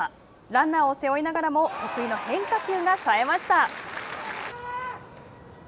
ランナーを背負いながらも得意の変化球がさえました。